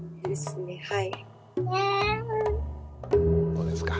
どうですか？